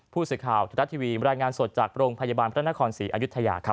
ผู้สื่อข่าวทรัฐทีวีรายงานสดจากโรงพยาบาลพระนครศรีอายุทยาครับ